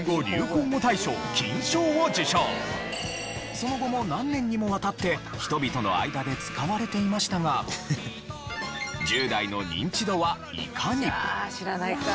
その後も何年にもわたって人々の間で使われていましたが１０代のニンチドはいかに？